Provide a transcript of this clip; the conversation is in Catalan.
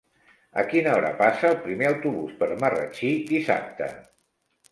A quina hora passa el primer autobús per Marratxí dissabte?